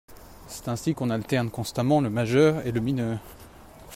C'est ainsi qu'on alterne constamment le majeur et le mineur.